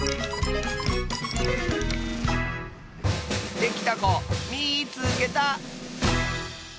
できたこみいつけた！